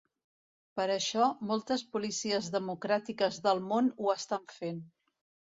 Per això moltes policies democràtiques del món ho estan fent.